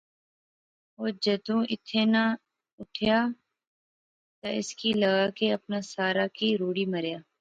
او جدوں ایتھِیں ناں اٹھیا تہ اس کی لغا کہ اپنا سارا کی روڑی مڑیا